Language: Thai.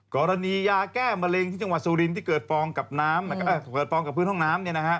กรณียาแก้มะเร็งที่จังหวัดสุรินที่เกิดฟองกับพื้นห้องน้ำ